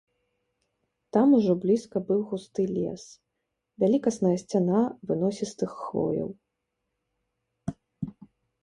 Там ужо блізка быў густы лес, вялікасная сцяна выносістых хвояў.